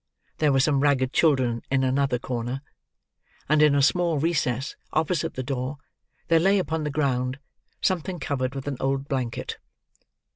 There were some ragged children in another corner; and in a small recess, opposite the door, there lay upon the ground, something covered with an old blanket.